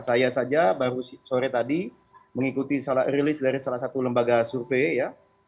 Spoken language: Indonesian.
saya saja baru sore tadi mengikuti rilis dari salah satu lembaga survei ya